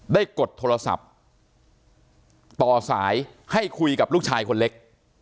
กดโทรศัพท์ต่อสายให้คุยกับลูกชายคนเล็ก